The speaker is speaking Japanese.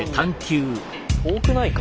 遠くないか？